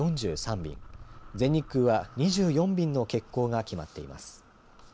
便全日空は２４便の欠航が決まっています。